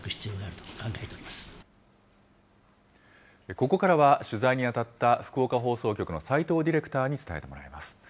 ここからは、取材に当たった福岡放送局の斉藤ディレクターに伝えてもらいます。